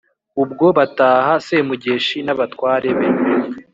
ubwo bataha semugeshi n'abatware be